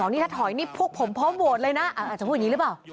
นี่ถ้าถอยนี่พวกผมพร้อมโหวตเลยนะอาจจะพูดอย่างนี้หรือเปล่า